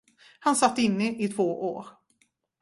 Han satt inne i två år.